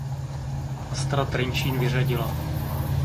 Astra Trenčín vyřadila.